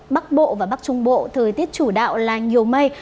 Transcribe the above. bắc bộ và bắc trung bộ thời tiết chủ đạo là nhiều mây